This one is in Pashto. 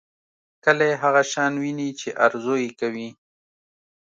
کلی هغه شان ويني چې ارزو یې کوي.